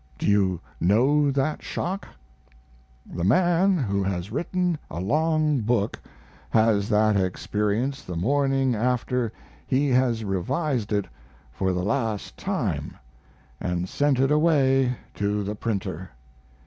Do you know that shock? The man who has written a long book has that experience the morning after he has revised it for the last time & sent it away to the printer.